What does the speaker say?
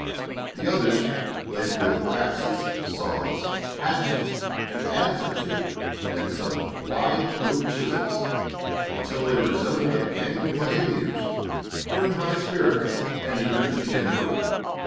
The others, laden with axes, saws, hatchets, an adz or two and some wide wood chisels until they resembled a gang of pioneers, were in high spirits and eager to begin work.